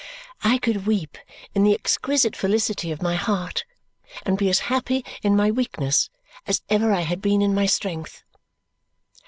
I could weep in the exquisite felicity of my heart and be as happy in my weakness as ever I had been in my strength.